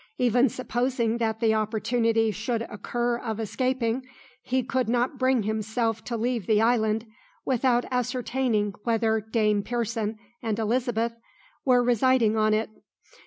Even supposing that the opportunity should occur of escaping, he could not bring himself to leave the island without ascertaining whether Dame Pearson and Elizabeth were residing on it.